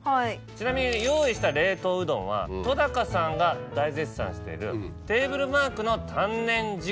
ちなみに用意した冷凍うどんはとだかさんが大絶賛しているテーブルマークの。